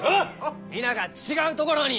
皆が違うところに！